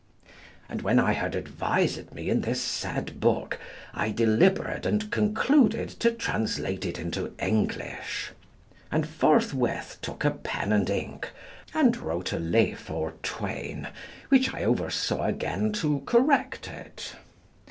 And when I had advised me in this said book, I delibered and concluded to translate it into English; and forthwith took a pen and ink and wrote a leaf or twain, which I oversaw again to correct it.